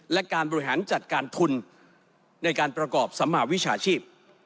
และการบริหารจัดการทุนในการประกอบสมาวิชาชีพ